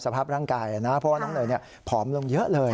สภาพร่างกายนะเพราะว่าน้องเนยผอมลงเยอะเลย